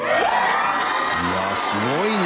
いやすごいね。